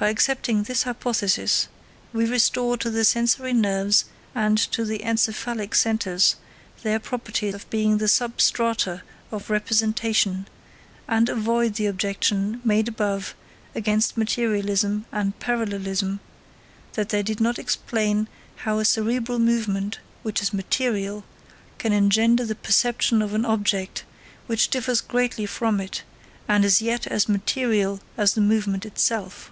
By accepting this hypothesis, we restore to the sensory nerves and to the encephalic centres their property of being the substrata of representation, and avoid the objection made above against materialism and parallelism, that they did not explain how a cerebral movement, which is material, can engender the perception of an object which differs greatly from it and is yet as material as the movement itself.